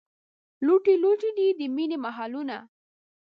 لوټې لوټې دي، د مینې محلونه